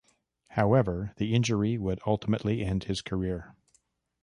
However, the injury would ultimately end his career.